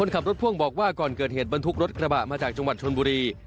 แล้วทำไมเกิดอีกความอะไรครับพี่